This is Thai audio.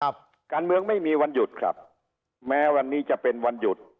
การเมืองไม่มีวันหยุดครับแม้วันนี้จะเป็นวันหยุด